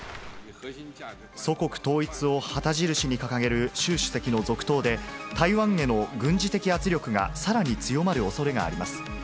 祖国統一を旗印に掲げる習主席の続投で、台湾への軍事的圧力が、さらに強まるおそれがあります。